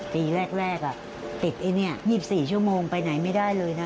ปีแรกติดไอ้นี่๒๔ชั่วโมงไปไหนไม่ได้เลยนะ